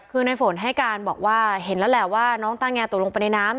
คือในฝนให้การบอกว่าเห็นแล้วแหละว่าน้องต้าแงตกลงไปในน้ำ